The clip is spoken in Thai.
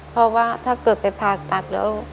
เพราะว่าถ้าเกิดไปผ่าตัดแล้ว